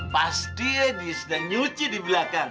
pas dia sedang nyuci di belakang